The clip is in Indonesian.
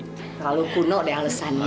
terlalu kuno deh alesannya